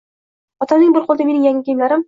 Otamning bir qo‘lida mening yangi kiyimlarim